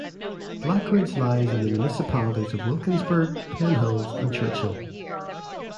Blackridge lies in the municipalities of Wilkinsburg, Penn Hills and Churchill.